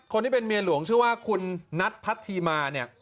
คนที่เป็นเมียหลวงชื่อว่าคุณนัทพัทธีมาเนี่ย